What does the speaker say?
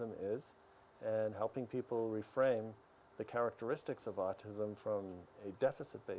membantu orang orang untuk menggambarkan karakteristik otisme dari model yang berbasis kecil